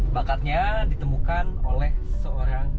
bakatnya ditemukan oleh seorang